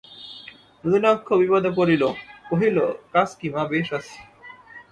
নলিনাক্ষ বিপদে পড়িল, কহিল, কাজ কী মা, বেশ আছি।